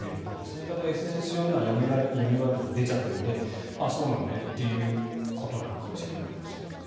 ただ、ＳＮＳ上には闇バイトと出ちゃってるのでああ、そうなのねっていうことなのかもしれないですけどね。